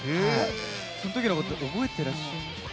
その時のこと覚えてらっしゃいますか？